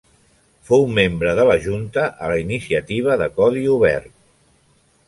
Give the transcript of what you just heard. Fou membre de la junta a la Iniciativa de Codi obert.